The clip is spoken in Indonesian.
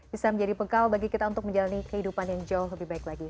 bisa menjadi bekal bagi kita untuk menjalani kehidupan yang jauh lebih baik lagi